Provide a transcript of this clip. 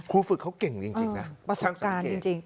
ครูฟึกเขาเก่งจริงจริงนะ